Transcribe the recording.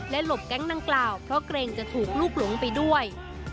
หลบแก๊งดังกล่าวเพราะเกรงจะถูกลูกหลงไปด้วย